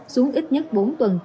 xuống ít nhất bốn tuần